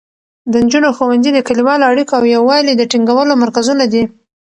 د نجونو ښوونځي د کلیوالو اړیکو او یووالي د ټینګولو مرکزونه دي.